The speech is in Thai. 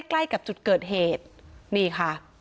ใกล้กับจุดเกิดเหตุนี่ค่ะ